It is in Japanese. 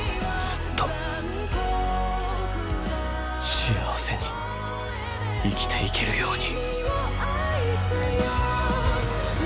幸せに生きていけるように。